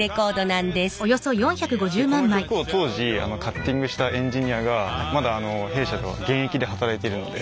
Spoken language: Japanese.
でこの曲を当時カッティングしたエンジニアがまだ弊社では現役で働いているので。